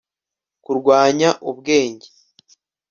Kurwanya ubwenge